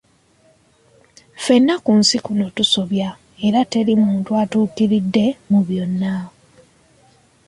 "Ffenna ku nsi kuno tusobya, era teri muntu atuukiridde mu byonna."